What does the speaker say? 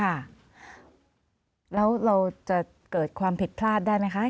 แล้วเราจะเกิดความผิดพลาดได้ไหมคะ